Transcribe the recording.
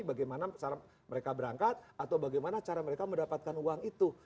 bagaimana cara mereka berangkat atau bagaimana cara mereka mendapatkan uang itu